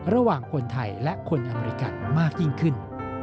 ระหว่างคนไทยและคนอเมริกันมากยิ่งขึ้น